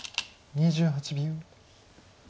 ２８秒。